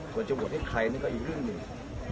ควรจะโหวตให้ใครนั่นก็อีกเรื่องหนึ่ง